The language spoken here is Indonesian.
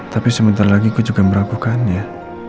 tapi sebentar lagi ke juga meragukannya